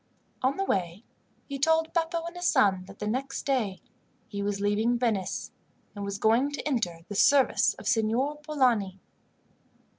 On the way he told Beppo and his son that the next day he was leaving Venice, and was going to enter the service of Signor Polani.